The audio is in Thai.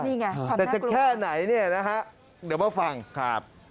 นี่ไงขอบคุณครูครับแต่จะแค่ไหนเนี่ยนะฮะเดี๋ยวมาฟังครับ